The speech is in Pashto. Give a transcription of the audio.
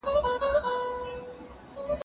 د موبایل د سکرین وړانګو د ده پر تندي رڼا واچوله.